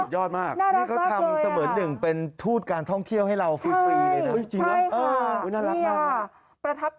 ยอดมากนี่เขาทำเสมอหนึ่งเป็นทูตการท่องเที่ยวให้เราฟรีเลยนะจริงค่ะน่ารักมาก